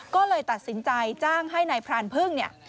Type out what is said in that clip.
ก็เลยตัดสินใจจ้างให้นายพรานพึ่งเนี่ย